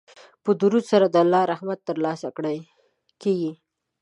په درود سره د الله رحمت ترلاسه کیږي.